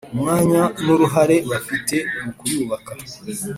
umwanya n’uruhare bafite mu kuyubaka.